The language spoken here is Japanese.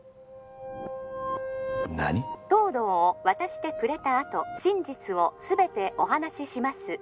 ☎東堂を渡してくれたあと☎真実を全てお話しします